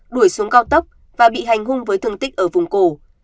đuổi xuống cao tốc và bị hành hung với thương tích ở vùng cổ